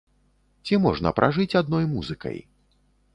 Ці можна пражыць адной музыкай?